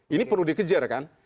ini perlu dikejar kan